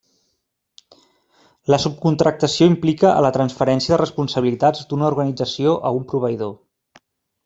La subcontractació implica a la transferència de responsabilitats d'una organització a un proveïdor.